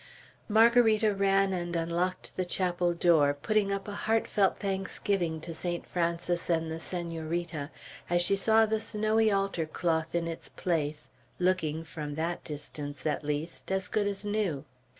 Margarita ran and unlocked the chapel door, putting up a heartfelt thanksgiving to Saint Francis and the Senorita, as she saw the snowy altar cloth in its place, looking, from that distance at least, as good as new.